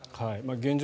現状